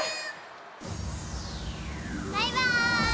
バイバーイ！